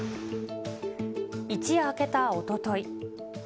一夜明けたおととい。